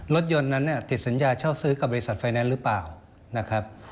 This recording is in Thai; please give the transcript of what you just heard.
รถยนต์นั้นเนี่ยติดสัญญาเช่าซื้อกับบริษัทไฟแนนซ์หรือเปล่านะครับ